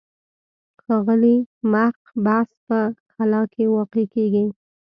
ښاغلي محق بحث په خلا کې واقع کېږي.